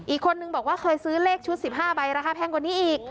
อีกคนนึงบอกว่าเคยซื้อเลขชุด๑๕ใบราคาแพงกว่านี้อีก